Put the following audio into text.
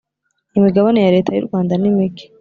imigabane ya Leta y ‘u Rwanda nimike.